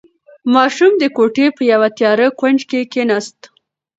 ماشوم د کوټې په یوه تیاره کونج کې کېناست.